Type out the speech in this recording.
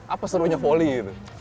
apa serunya volley itu